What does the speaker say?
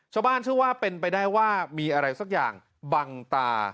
ชาวบ้านเชื่อว่ามีอะไรสักอย่างบังต่า